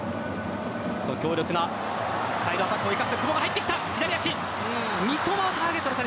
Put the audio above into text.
強力なサイドアタックを生かす久保が入ってきた。